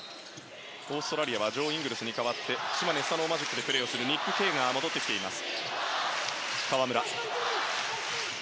オーストラリアはジョー・イングルスに代わって島根スサノオマジックでプレーするニック・ケイが戻ってきています。